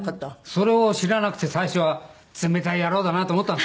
それを知らなくて最初は冷たい野郎だなと思ったんですけど。